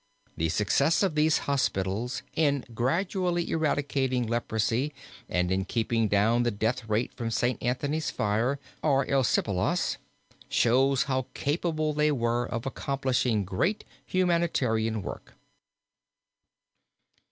The success of these hospitals in gradually eradicating leprosy and in keeping down the death rate from St. Anthony's fire, or erysipelas, shows how capable they were of accomplishing great humanitarian work.